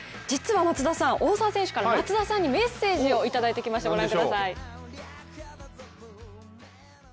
実は大澤選手から松田さんにメッセージをいただいてきました。